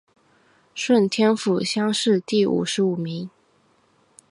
顺天府乡试第五十五名。